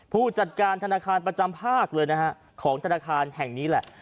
ผู้จัดการธนาคารประจำภาคเลยนะฮะของธนาคารแห่งนี้แหละ